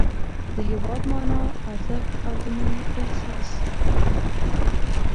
د هېواد مانا، ارزښت او د مینې احساس